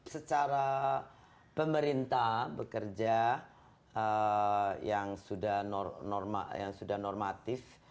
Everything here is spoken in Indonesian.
secara pemerintah bekerja yang sudah normatif